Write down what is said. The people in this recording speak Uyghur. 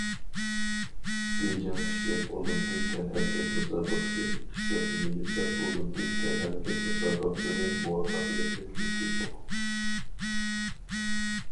بېيجىڭ قىشلىق ئولىمپىك تەنھەرىكەت مۇسابىقىسى، قىشلىق مېيىپلەر ئولىمپىك تەنھەرىكەت مۇسابىقىسىنى مۇۋەپپەقىيەتلىك ئۆتكۈزدۇق.